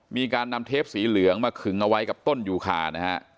มีการนำเทปสีเหลืองมาขึงเอาไว้กับต้นยูคานะฮะ